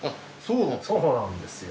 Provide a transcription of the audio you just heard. そうなんですか？